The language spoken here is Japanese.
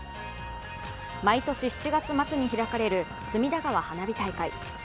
毎年７月末に開かれる隅田川花火大会。